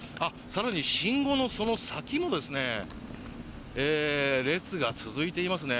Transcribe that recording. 更に信号のその先も列が続いていますね。